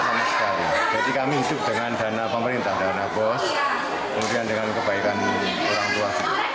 jadi kami hidup dengan dana pemerintah dana bos kemudian dengan kebaikan orang tua